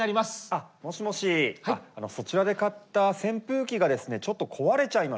あっもしもしそちらで買った扇風機がですねちょっと壊れちゃいまして。